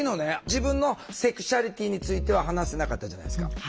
自分のセクシュアリティーについては話せなかったじゃないですか。